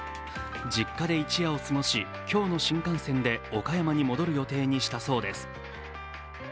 実家で一夜を過ごし今日の新幹線で岡山に戻る予定にしたそうです